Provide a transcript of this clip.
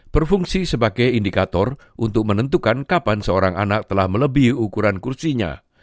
berfungsi sebagai indikator untuk menentukan kapan seorang anak telah melebihi ukuran kursinya